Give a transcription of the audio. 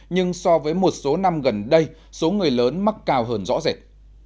nhưng so với một số năm gần đây số người lớn mắc cao hơn rõ rệt